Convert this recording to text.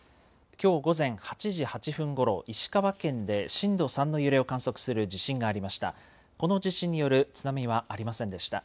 きょう午前８時８分ごろ石川県で震度３の揺れを観測する地震がありました。